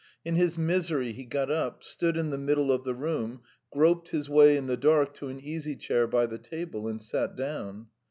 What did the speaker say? In his misery he got up, stood in the middle of the room, groped his way in the dark to an easy chair by the table, and sat down.